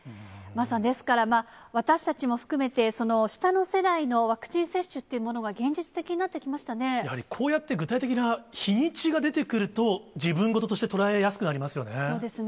ですから、桝さん、私たちも含めて、下の世代のワクチン接種というものが、やはりこうやって具体的な日にちが出てくると、自分事として捉えやすくなりますよね。